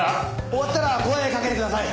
終わったら声かけてください。